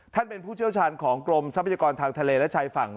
ท่านเป็นผู้เชี่ยวชาญของกรมทรัพยากรทางทะเลและชายฝั่ง